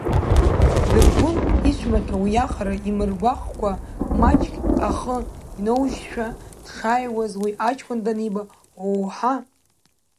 Дыргәын, ицәмаҭәа уиаҟара имыргәаҟкәа, маҷк ахы инаужьшәа дшааиуаз, уи аҷкәын даниба, оо-ҳа!